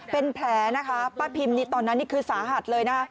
เป็นแผลนะคะป้าพิมนี่ตอนนั้นนี่คือสาหัสเลยนะ